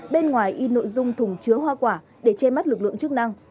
bên ngoài in nội dung thùng chứa hoa quả để che mắt lực lượng chức năng